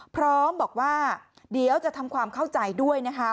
พร้อมบอกว่าเดี๋ยวจะทำความเข้าใจด้วยนะคะ